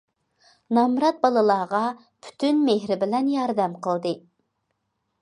نامرات بالىلارغا پۈتۈن مېھرى بىلەن ياردەم قىلدى.